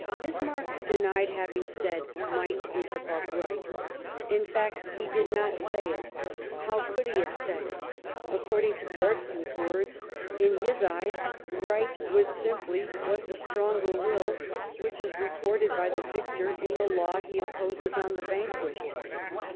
Bismarck denied having said, " Might is above Right," In fact he did not say it ; how could he have said it ? According to Bergson's words, "' In his eyes right was simply what the stronger wills, which is recorded by the victor in the law he imposes on the vanquished."